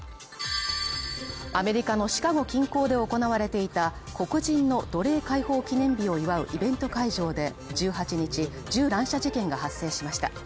アメリカのシカゴ近郊で行われていた黒人の奴隷解放記念日を祝うイベント会場で１８日、銃乱射事件が発生しました。